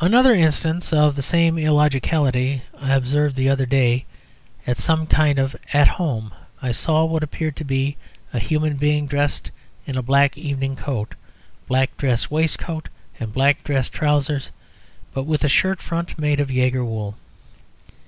Another instance of the same illogicality I observed the other day at some kind of "At Home." I saw what appeared to be a human being dressed in a black evening coat, black dress waistcoat, and black dress trousers, but with a shirt front made of Jaegar wool.